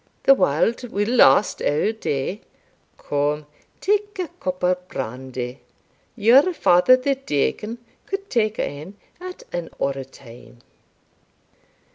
the warld will last our day Come, take a cup o' brandy your father the deacon could take ane at an orra time."